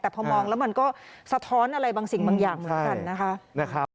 แต่พอมองแล้วมันก็สะท้อนอะไรบางสิ่งบางอย่างเหมือนกันนะคะ